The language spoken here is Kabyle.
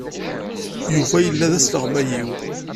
Yuba yella d asleɣmay-iw.